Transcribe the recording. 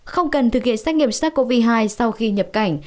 không cần thực hiện xét nghiệm sars cov hai sau khi nhập cảnh